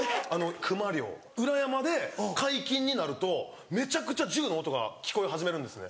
熊猟裏山で解禁になるとめちゃくちゃ銃の音が聞こえ始めるんですね。